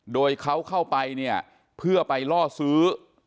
โดยเขาเข้าไปเนี่ยเพื่อไปล่อซื้อ